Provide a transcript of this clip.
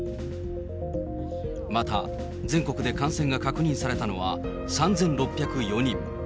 また全国で感染が確認されたのは、３６０４人。